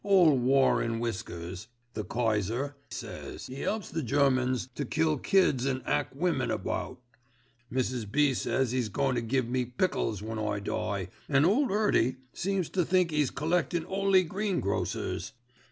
Ole War an Whiskers [the Kayser] says 'E 'elps the Germans to kill kids an' 'ack women about, Mrs. B. says 'e's goin' to give me pickles when I die, an ole 'Earty seems to think 'E's collectin' 'oly greengrocers.